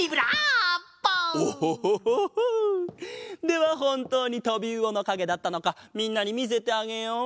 ではほんとうにとびうおのかげだったのかみんなにみせてあげよう！